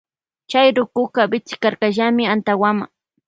Chay rukuka sikarkallami antawama.